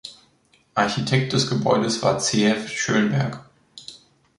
Architekt des Gebäudes war Ze’ev Schoenberg.